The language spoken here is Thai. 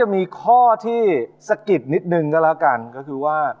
ให้เปิงเข้า